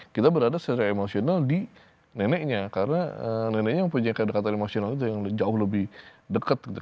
kita berada secara emosional di neneknya karena neneknya mempunyai kedekatan emosional yang jauh lebih dekat